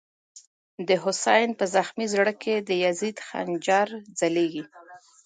دحسین” په زخمی زړه کی، دیزید خنجر ځلیږی”